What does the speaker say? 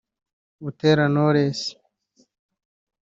Butera Knowless